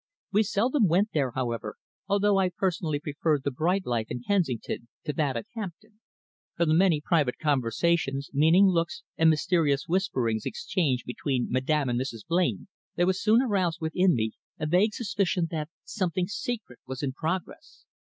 "We seldom went there, however, although I personally preferred the bright life in Kensington to that at Hampton. From the many private conversations, meaning looks and mysterious whisperings exchanged between Madame and Mrs. Blain there was soon aroused within me a vague suspicion that something secret was in progress.